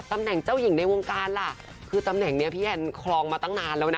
ตำแหน่งเจ้าหญิงในวงการล่ะคือตำแหน่งนี้พี่แอนคลองมาตั้งนานแล้วนะ